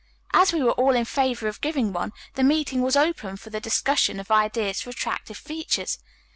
As we were all in favor of giving one, the meeting was open for the discussion of ideas for attractive features.